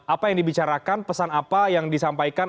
apa yang dibicarakan pesan apa yang disampaikan